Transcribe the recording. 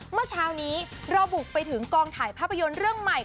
เมื่อเช้านี้เราบุกไปถึงกองถ่ายภาพยนตร์เรื่องใหม่